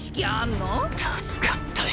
助かったよ。